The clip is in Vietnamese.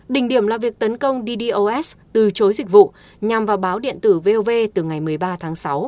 đỉnh điểm là việc tấn công ddos từ chối dịch vụ nhằm vào báo điện tử vov từ ngày một mươi ba tháng sáu